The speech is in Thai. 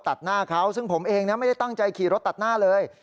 ตัดหน้าเขาซึ่งผมเองไม่ได้ตั้งใจขี่รถตัดหน้าเลย